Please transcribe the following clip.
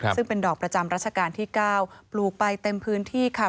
ซึ่งเป็นดอกประจำรัชกาลที่๙ปลูกไปเต็มพื้นที่ค่ะ